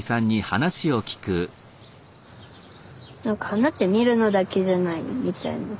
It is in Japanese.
花って見るのだけじゃないみたいな。